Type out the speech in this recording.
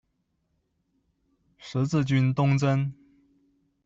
十字军东征。